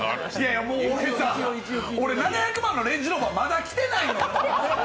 俺さ、７００万円のレンジローバーまだ来てない。